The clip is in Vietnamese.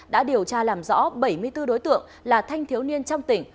đã điều tra làm rõ bảy mươi bốn đối tượng là thanh thiếu niên trong tỉnh